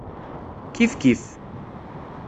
Kifkif.